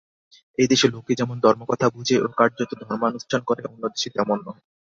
এদেশে লোকে যেমন ধর্মকথা বুঝে ও কার্যত ধর্মানুষ্ঠান করে, অন্যদেশে তেমন নহে।